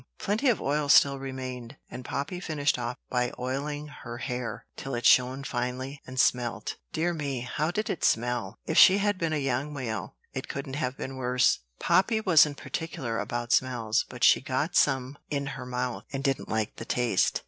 Plenty of oil still remained; and Poppy finished off by oiling her hair, till it shone finely, and smelt dear me, how it did smell! If she had been a young whale, it couldn't have been worse. Poppy wasn't particular about smells; but she got some in her mouth, and didn't like the taste.